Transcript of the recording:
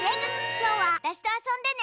きょうはあたしとあそんでね！